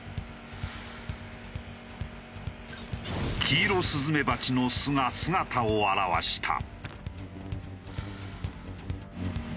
キイロスズメバチの巣が姿を現した。